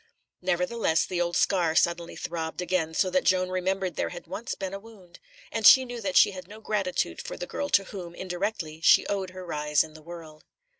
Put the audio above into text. Nevertheless the old scar suddenly throbbed again, so that Joan remembered there had once been a wound; and she knew that she had no gratitude for the girl to whom, indirectly, she owed her rise in the world.